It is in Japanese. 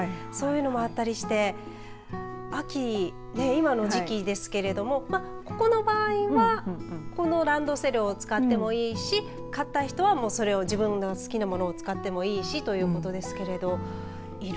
そういうのもあったりして秋、今の時期ですけれどもここの場合はこのランドセルを使ってもいいし買った人は、それを自分の好きなものを使ってもいいしということですけども。